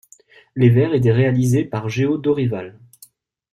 Les verres étaient réalisés par Geo Dorival.